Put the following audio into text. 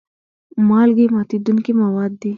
مالګې ماتیدونکي مواد دي.